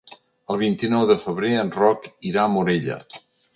El vint-i-nou de febrer en Roc irà a Morella.